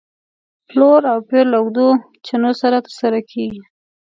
پلور او پېر له اوږدو چنو سره تر سره کېږي.